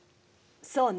そうね。